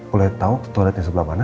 boleh tau toiletnya sebelah mana